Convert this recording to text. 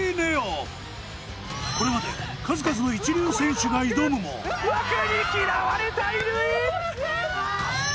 これまで数々の一流選手が挑むも枠に嫌われた乾！